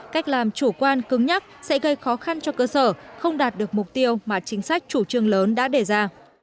cách làm chủ quan cứng nhắc sẽ gây khó khăn cho cơ sở không đạt được mục tiêu mà chính sách chủ trương lớn đã đề ra